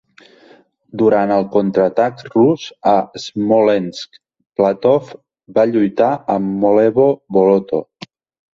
Durant el contraatac rus a Smolensk, Platov va lluitar a Molevo Boloto.